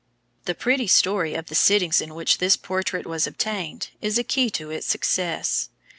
The pretty story of the sittings in which this portrait was obtained, is a key to its success.